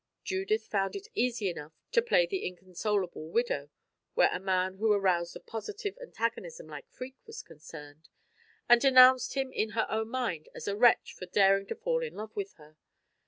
Judith found it easy enough to play the inconsolable widow where a man who aroused a positive antagonism like Freke was concerned, and denounced him in her own mind as a wretch for daring to fall in love with her.